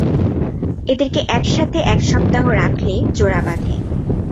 এদেরকে এক সাথে এক সপ্তাহ রাখলে জোড়া বাঁধে।